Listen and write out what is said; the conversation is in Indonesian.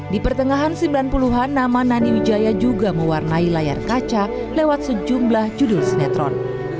di pertengahan sembilan puluh an nama nani wijaya juga mewarnai layar kaca lewat sejumlah judul sinetron